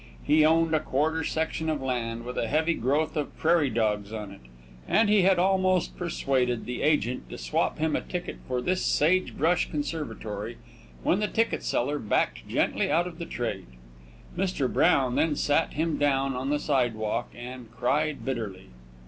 He owned a quarter section of land, with a heavy growth of prairie dogs on it, and he had almost persuaded the agent to swap him a ticket for this sage brush conservatory, when the ticket seller backed gently out of the trade. Mr. Brown then sat him down on the sidewalk and cried bitterly.